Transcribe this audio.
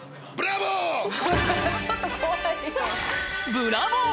［ブラボー］